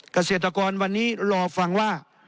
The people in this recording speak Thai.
เกษตรกรวันนี้รอฟังว่า